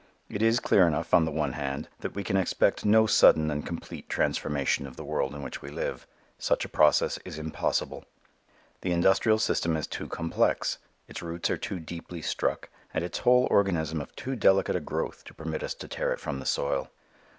It is clear enough on the one hand that we can expect no sudden and complete transformation of the world in which we live. Such a process is impossible. The industrial system is too complex, its roots are too deeply struck and its whole organism of too delicate a growth to permit us to tear it from the soil.